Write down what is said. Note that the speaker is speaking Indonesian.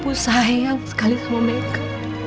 ibu sayang sekali sama meka